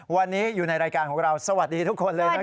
วันนี้อยู่ในรายการของเราสวัสดีทุกคนเลยนะครับ